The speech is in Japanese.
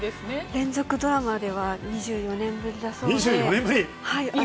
連続ドラマでは２４年ぶりだそうで。